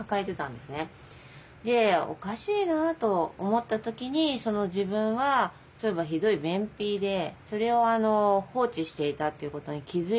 でおかしいなと思った時に自分はそういえばひどい便秘でそれを放置していたということに気付いて。